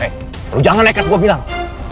eh lu jangan lekat gua bilang